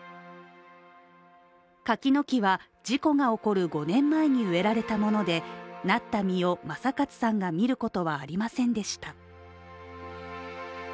柿の木は事故が起こる５年前に植えられたもので成った実を正勝さんが見ることはありませんでした。